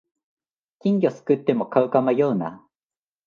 金魚すくっても飼うか迷うな